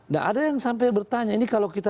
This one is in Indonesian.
nah ada yang sampai bertanya ini kalau kita